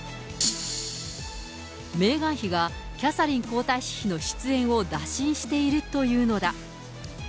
メーガン妃がキャサリン皇太子妃の出演を打診しているというのだ。